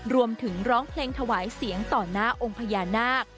ร้องเพลงถวายเสียงต่อหน้าองค์พญานาค